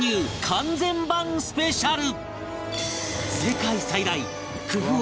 完全版スペシャル